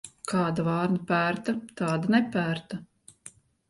Kāda vārna pērta, tāda nepērta.